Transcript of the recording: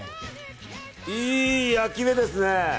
いい焼き目ですね。